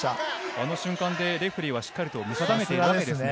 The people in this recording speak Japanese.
あの瞬間でレフェリーはしっかりと見定めているんですね。